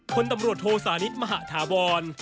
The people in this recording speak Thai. คนตำรวจโทสานิทมหาธาวร